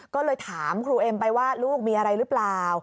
ก็เลยถามครูเอ็มไปว่าลูกมีอะไรหรือเปล่า